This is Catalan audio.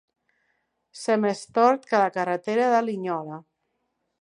Ser més tort que la carretera de Linyola.